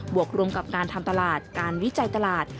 วกรวมกับการทำตลาดการวิจัยตลาด